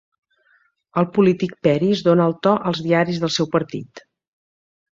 El polític Peris dona el to als diaris del seu partit.